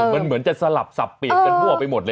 มันเหมือนจะสลับสับเปลี่ยนกันมั่วไปหมดเลย